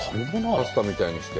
パスタみたいにして。